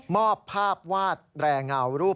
อบภาพวาดแรงเงารูป